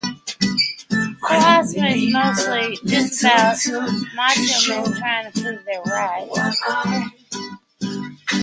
He took on Gabirol's philosophical work to integrate it into the ten sefirot.